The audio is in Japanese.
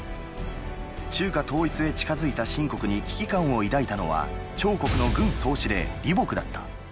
中華統一へ近づいた秦国に危機感を抱いたのは趙国の軍総司令・李牧だった。